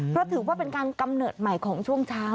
เพราะถือว่าเป็นการกำเนิดใหม่ของช่วงเช้า